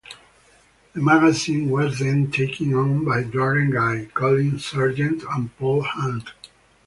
The magazine was then taken on by Darren Guy, Colin Serjent and Paul Hunt.